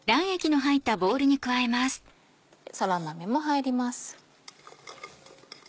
そら豆も入ります。